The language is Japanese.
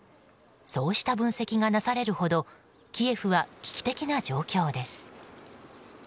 そうした分析がなされるほどキエフは危機的な状況です。